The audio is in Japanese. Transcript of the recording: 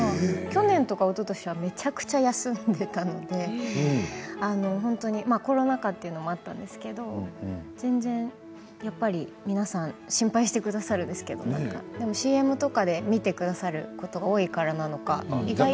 去年やおととしはめちゃくちゃ休んでいたのでコロナ禍ということもありましたけれど、全然やっぱり皆さん心配してくださるんですけれどＣＭとかで見てくださることが多いからなのか。